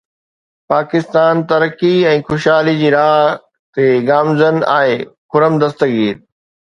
پاڪستان ترقي ۽ خوشحالي جي راهه تي گامزن آهي: خرم دستگير